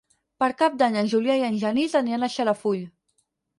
Per Cap d'Any en Julià i en Genís aniran a Xarafull.